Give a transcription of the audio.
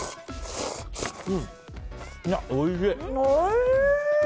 おいしい！